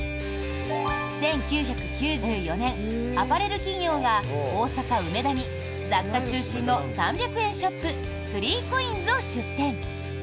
１９９４年、アパレル企業が大阪・梅田に雑貨中心の３００円ショップ３ＣＯＩＮＳを出店。